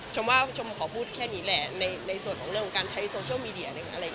ชมว่าชมขอพูดแค่นี้แหละในส่วนของเรื่องการใช้โซเชียลมีเดีย